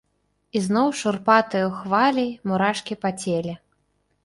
І зноў шурпатаю хваляй мурашкі па целе.